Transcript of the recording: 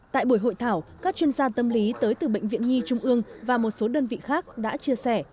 tại buổi hội thảo các chuyên gia tâm lý tới từ bệnh viện nhi trung ương và một số đơn vị khác đã chia sẻ